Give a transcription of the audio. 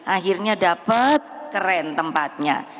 akhirnya dapat keren tempatnya